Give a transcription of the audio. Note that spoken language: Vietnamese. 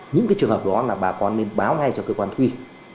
những cái trường hợp đó là bà con nên báo ngay cho cơ quan uy